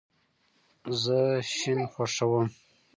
زه شین خوښوم